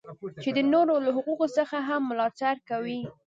چې د نورو له حقوقو څخه هم ملاتړ کوي.